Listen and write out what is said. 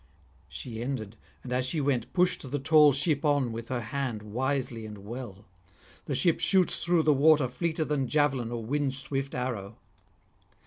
She ended, and, as she went, pushed the tall ship on with her hand wisely and well; the ship shoots through the water fleeter than javelin or windswift arrow.